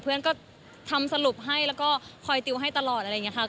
เพื่อนก็ทำสรุปให้แล้วก็คอยติวให้ตลอดอะไรอย่างนี้ค่ะ